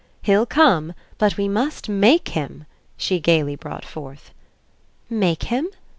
"He'll come, but we must MAKE him!" she gaily brought forth. "Make him?"